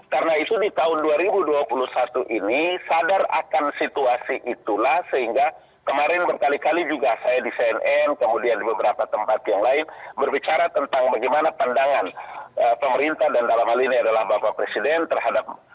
karena itu di tahun dua ribu dua puluh satu ini sadar akan situasi itulah sehingga kemarin berkali kali juga saya di cnn kemudian di beberapa tempat yang lain berbicara tentang bagaimana pandangan pemerintah dan dalam hal ini adalah bapak presiden terhadap pandemi ini